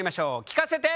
聞かせて！